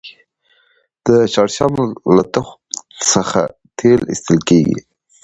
د شړشم له تخم څخه تېل ایستل کیږي